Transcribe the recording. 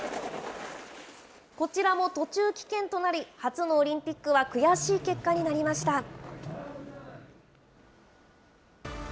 こちらも途中棄権となり、初のオリンピックは悔しい結果になりました。